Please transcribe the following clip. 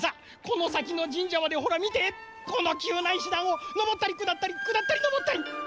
このさきのじんじゃまでほらみてこのきゅうないしだんをのぼったりくだったりくだったりのぼったり。